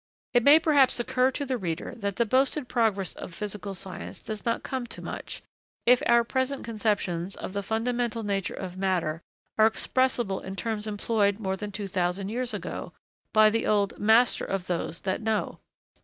] It may perhaps occur to the reader that the boasted progress of physical science does not come to much, if our present conceptions of the fundamental nature of matter are expressible in terms employed, more than two thousand years ago, by the old 'master of those that know.'